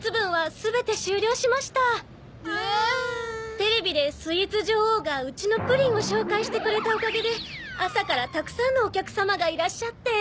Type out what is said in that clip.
テレビでスイーツ女王がうちのプリンを紹介してくれたおかげで朝からたくさんのお客様がいらっしゃって。